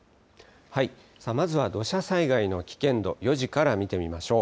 まずは土砂災害の危険度、４時から見てみましょう。